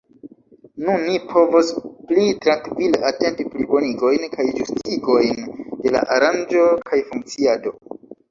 Nun ni povos pli trankvile atenti plibonigojn kaj ĝustigojn de la aranĝo kaj funkciado.